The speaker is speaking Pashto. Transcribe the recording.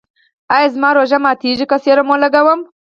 ایا زما روژه ماتیږي که سیروم ولګوم؟